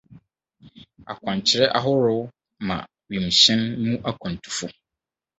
Akwankyerɛ Ahorow Ma Wimhyɛn Mu Akwantufo